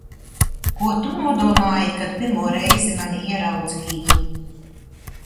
Ko tu nodomāji, kad pirmo reizi mani ieraudzīji?